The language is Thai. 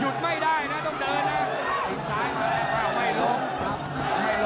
หยุดไม่ได้นะต้องเดินนะ